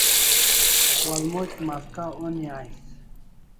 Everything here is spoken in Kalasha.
Walmoc maska oni ais